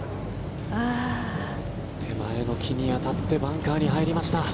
手前の木に当たってバンカーに入りました。